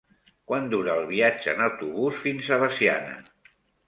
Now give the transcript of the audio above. Quant dura el viatge en autobús fins a Veciana?